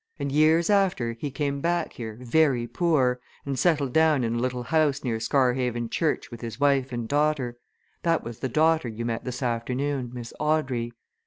And years after he came back here, very poor, and settled down in a little house near Scarhaven Church with his wife and daughter that was the daughter you met this afternoon, Miss Audrey.